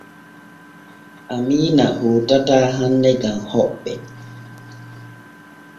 Amiina hootataa hanne gam hoɓɓe.